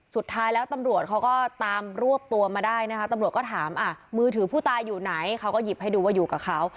สุดท้ายแล้วตำรวจเขาก็ตามรวบตัวมาได้นะคะตำรวจก็ถามมือถือผู้ตายอยู่ไหนเขาก็หยิบให้ดูว่าอยู่กับเขา